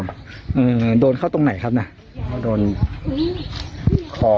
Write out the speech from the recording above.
เบิร์ตลมเสียโอ้โห